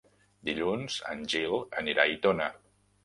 Dilluns en Gil anirà a Aitona.